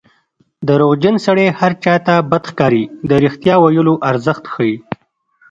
دروغجن سړی هر چا ته بد ښکاري د رښتیا ویلو ارزښت ښيي